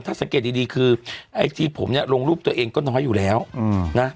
ถ้าสังเกตดีคือไอจีผมเนี่ยลงรูปตัวเองก็น้อยอยู่แล้วนะ